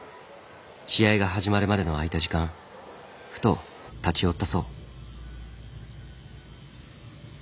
試合が始まるまでの空いた時間ふと立ち寄ったそう。